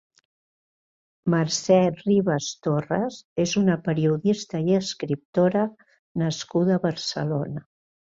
Mercè Rivas Torres és una periodista i escriptora nascuda a Barcelona.